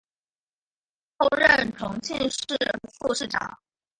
后任重庆市副市长。